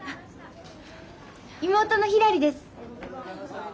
妹のひらりです。